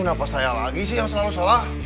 nafas saya lagi sih yang selalu salah